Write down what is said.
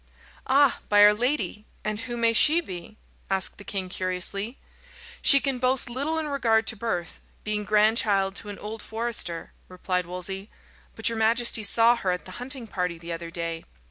"Ah! by our Lady! and who may she be?" asked the king curiously. "She can boast little in regard to birth, being grandchild to an old forester," replied Wolsey; "but your majesty saw her at the hunting party the other day."